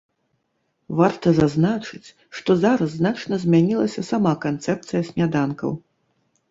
Варта зазначыць, што зараз значна змянілася сама канцэпцыя сняданкаў.